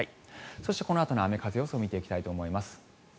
そして、このあとの雨風予想見ていきたいと思います。